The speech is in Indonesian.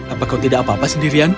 apa kau tidak apa apa sendirian